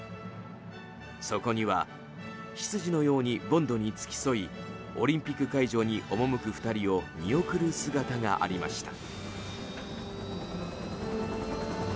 そこには執事のようにボンドに付き添いオリンピック会場に赴く２人を見送る姿がありました。